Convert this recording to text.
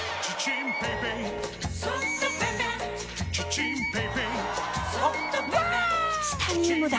チタニウムだ！